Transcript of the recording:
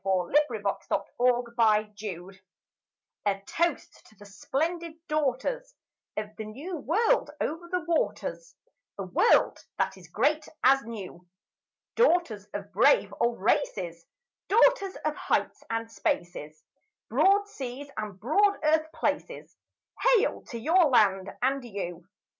TO THE WOMEN OF AUSTRALIA A toast to the splendid daughters Of the New World over the waters, A world that is great as new; Daughters of brave old races, Daughters of heights and spaces, Broad seas and broad earth places— Hail to your land and you!